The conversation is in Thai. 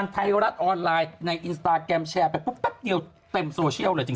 ไทยรัฐออนไลน์ในอินสตาแกรมแชร์ไปปุ๊บแป๊บเดียวเต็มโซเชียลเลยจริง